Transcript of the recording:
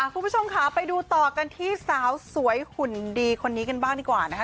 คุณผู้ชมค่ะไปดูต่อกันที่สาวสวยหุ่นดีคนนี้กันบ้างดีกว่านะคะ